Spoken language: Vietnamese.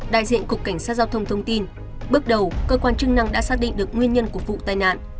đại diện cục cảnh sát giao thông thông tin bước đầu cơ quan chức năng đã xác định được nguyên nhân của vụ tai nạn